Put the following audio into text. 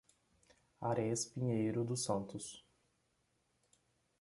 Arez Pinheiro dos Santos